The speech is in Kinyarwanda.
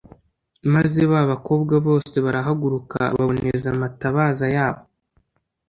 Maze ba bakobwa bose barahaguruka baboneza amatabaza yabo.